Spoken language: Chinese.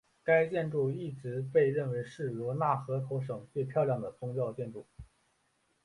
该建筑一直被认为是罗讷河口省最漂亮的宗教建筑。